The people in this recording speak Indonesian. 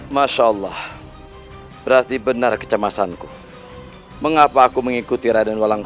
masya allah berarti benar kecemasanku mengapa aku mengikuti raden walang